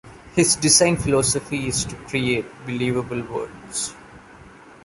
His design philosophy is to create believable worlds.